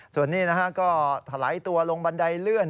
ส่วนนี้ก็ถลายตัวลงบันไดเลื่อน